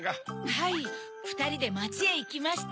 はいふたりでまちへいきました。